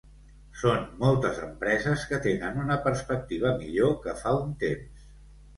Són moltes empreses que tenen una perspectiva millor que fa un temps.